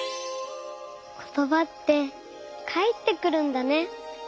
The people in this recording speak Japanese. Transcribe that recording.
ことばってかえってくるんだね。